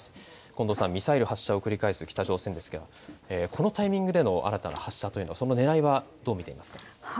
近藤さん、ミサイル発射を繰り返す北朝鮮ですがこのタイミングでの新たな発射というのはそのねらいはどう見ていますか。